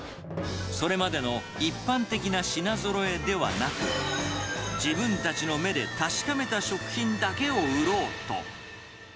それまでの一般的な品ぞろえではなく、自分たちの目で確かめた食品だけを売ろうと。